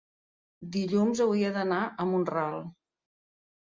dilluns hauria d'anar a Mont-ral.